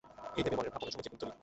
এই ভেবে মনের ভাব অনেক সময় চেপে চলি।